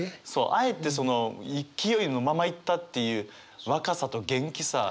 あえてその勢いのままいったっていう若さと元気さ元気いっぱいっていう。